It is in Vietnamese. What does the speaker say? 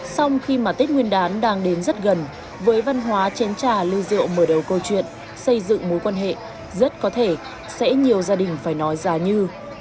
xong khi mà tết nguyên đán đang đến rất gần với văn hóa chén trà lưu diệu mở đầu câu chuyện xây dựng mối quan hệ rất có thể sẽ nhiều gia đình phải nói giá như